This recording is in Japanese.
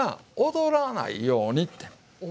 踊らないように。